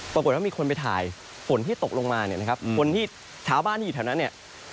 ปรากฏว่ามีคนไปถ่ายฝนที่ตกลงมาเนี่ยนะครับคนที่ชาวบ้านที่อยู่แถวนั้นเนี่ย